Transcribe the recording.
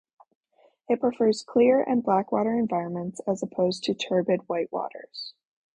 It prefers clear and blackwater environments as opposed to turbid white waters.